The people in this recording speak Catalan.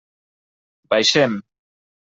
Baixem.